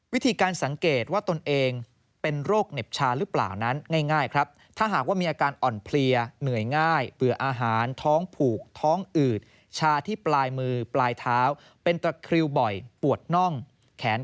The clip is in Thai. วิธีการสังเกตว่าตนเองเป็นโรคเหน็บชาหรือเปล่านั้น